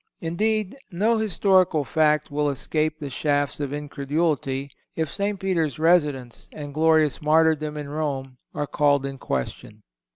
Indeed, no historical fact will escape the shafts of incredulity, if St. Peter's residence and glorious martyrdom in Rome are called in question.